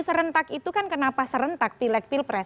serentak itu kan kenapa serentak pilek pilpres